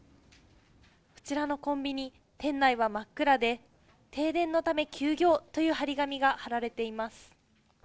こちらのコンビニ、店内は真っ暗で、停電のため休業という貼り紙が貼られています。